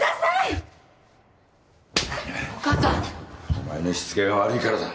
お前のしつけが悪いからだ